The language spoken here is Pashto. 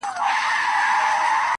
پردى تخت نن كه سبا وي د پردو دئ!!..